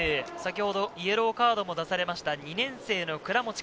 先ほどイエローカードも出されました。